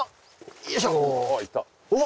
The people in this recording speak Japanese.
よいしょ。